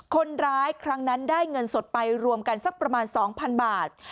ครั้งนั้นได้เงินสดไปรวมกันสักประมาณ๒๐๐๐บาท